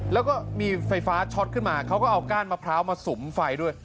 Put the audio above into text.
แล้วก็มีไฟฟ้าช็อตขึ้นมาเขาก็เอาก้านมะพร้าวมาสุมไฟด้วย